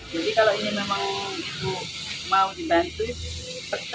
jadi kalau ini memang ibu mau dibantu